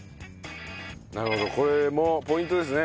なるほどこれもポイントですね。